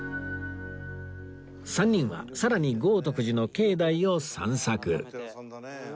３人はさらに豪徳寺の境内を散策